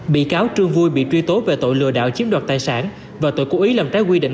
bị cáo trương vui bị truy tố về tội lừa đảo chiếm đoạt tài sản và tội cố ý làm trái quy định